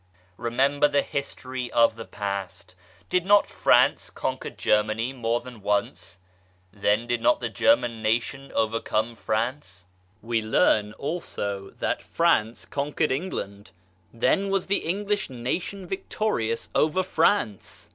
Remember the history of the past : did not France conquer Germany more than once then did not the German nation overcome France ? We learn also that France conquered England ; then was the English Nation victorious over France!